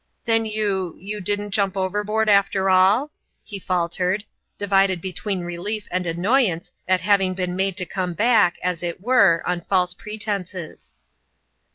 " Then you you didn't jump overboard after all? " he faltered, divided between relief and annoyance at having been made to come back, as it were, on false pretenses.